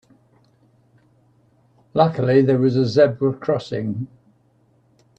Luckily there was a zebra crossing.